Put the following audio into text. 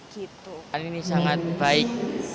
kali ini sangat baik